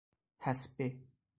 حصبه